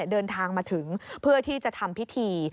เดินทางมาถึงเพื่อที่จะทำพิธี